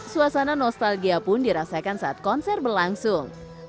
suasana nostalgia pun dirasakan saat konser berlangsung